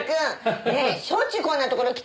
ねえしょっちゅうこんなところ来てるの？